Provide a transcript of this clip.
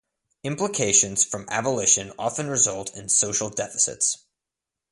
Implications from avolition often result in social deficits.